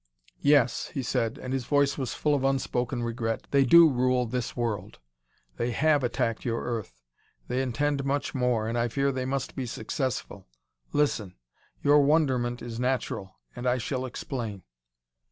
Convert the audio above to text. "Yes," he said, and his voice was full of unspoken regret, "they do rule this world; they have attacked your Earth; they intend much more, and I fear they must be successful. Listen. Your wonderment is natural, and I shall explain.